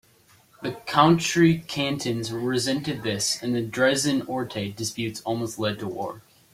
The country cantons resented this and the Dreizehn Orte disputes almost led to war.